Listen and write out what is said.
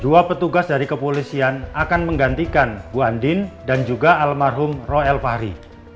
jua petugas dari kepolisian akan menggantikan bu andin dan juga almarhum roy al fahri